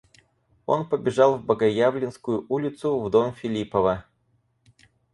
Он побежал в Богоявленскую улицу, в дом Филиппова.